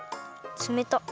つめたっ。